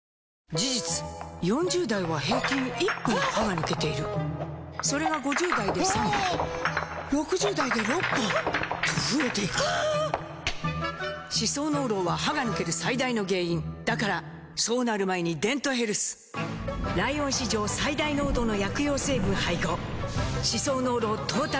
事実４０代は平均１本歯が抜けているそれが５０代で３本６０代で６本と増えていく歯槽膿漏は歯が抜ける最大の原因だからそうなる前に「デントヘルス」ライオン史上最大濃度の薬用成分配合歯槽膿漏トータルケア！